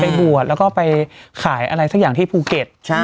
บวชแล้วก็ไปขายอะไรสักอย่างที่ภูเก็ต